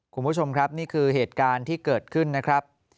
คุณผู้ชมครับนี่คือเหตุการณ์ที่เกิดขึ้นนะครับ